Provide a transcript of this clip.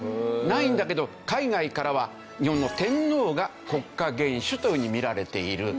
ないんだけど海外からは日本の天皇が国家元首というふうに見られている。